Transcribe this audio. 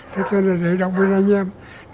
thế cho là để động viên anh em